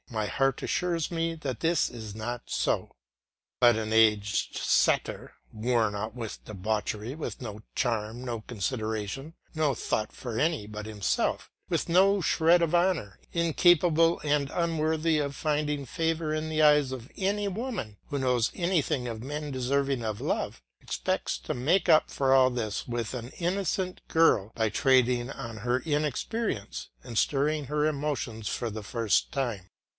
my heart assures me that this is not so." But an aged satyr, worn out with debauchery, with no charm, no consideration, no thought for any but himself, with no shred of honour, incapable and unworthy of finding favour in the eyes of any woman who knows anything of men deserving of love, expects to make up for all this with an innocent girl by trading on her inexperience and stirring her emotions for the first time.